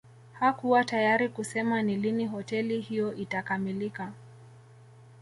Hakuwa tayari kusema ni lini hoteli hiyo itakamilika